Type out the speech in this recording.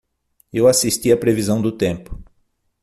Eu assisti a previsão do tempo.